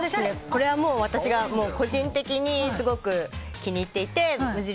これは私が個人的にすごく気に入っていて無印